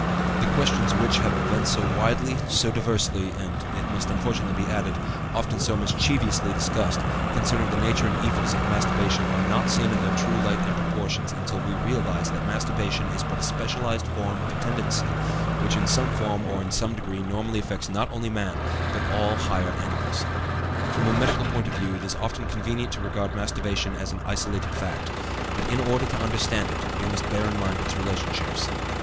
The questions which have been so widely, so diversely, and it must unfortunately be added often so mischievously discussed, concerning the nature and evils of masturbation are not seen in their true light and proportions until we realize that masturbation is but a specialized form of a tendency which in some form or in some degree normally affects not only man, but all the higher animals. From a medical point of view it is often convenient to regard masturbation as an isolated fact; but in order to understand it we must bear in mind its relationships.